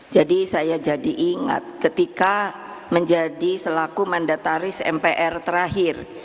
jadi saya jadi ingat ketika menjadi selaku mandataris mpr terakhir